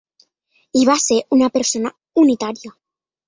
I va ser una persona unitària.